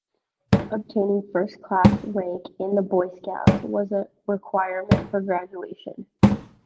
Obtaining First Class Rank in the Boy Scouts was a requirement for graduation.